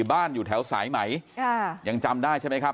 บ้านอยู่แถวสายไหมยังจำได้ใช่ไหมครับ